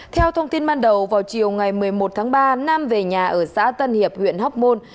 theo thông tin ban đầu vào chiều ngày một mươi một tháng ba nam về nhà ở xã tân hiệp huyện hóc môn